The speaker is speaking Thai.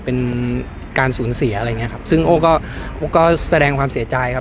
เป็นการสูญเสียอะไรอย่างเงี้ครับซึ่งโอ้ก็โอ้ก็แสดงความเสียใจครับ